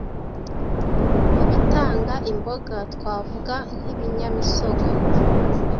Mu bitanga imboga twavuga nk’ibiyamisogwe,